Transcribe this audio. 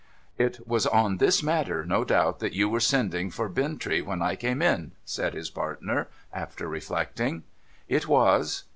' It was on this matter, no doubt, that you were sending for Bintrey when I came in ?' said his partner, after reflecting. ' It was.'